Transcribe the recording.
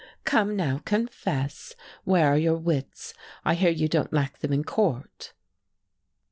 "Come now, confess. Where are your wits I hear you don't lack them in court."